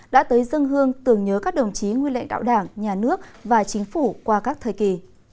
đã tới dân hương tưởng nhớ các đồng chí nguyên lãnh đạo đảng nhà nước và chính phủ qua các thời kỳ